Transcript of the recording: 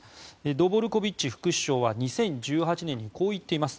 ドボルコビッチ副首相は２０１８年にこう言っています。